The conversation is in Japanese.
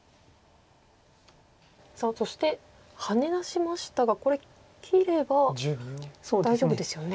さあそしてハネ出しましたがこれ切れば大丈夫ですよね。